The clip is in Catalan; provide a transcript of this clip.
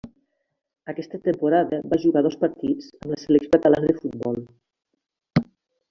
Aquesta temporada va jugar dos partits amb la selecció catalana de futbol.